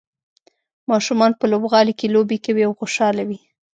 ماشومان په لوبغالي کې لوبې کوي او خوشحاله وي.